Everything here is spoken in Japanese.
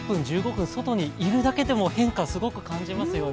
分外にいるだけでも変化をすごく感じますよね。